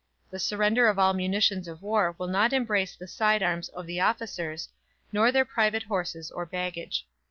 "The surrender of all munitions of war will not embrace the side arms of the officers, nor their private horses or baggage.